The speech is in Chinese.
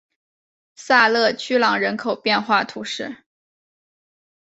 萨勒屈朗人口变化图示